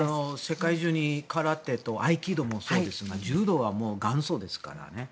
世界中に空手と合気道もそうですが柔道は元祖ですからね。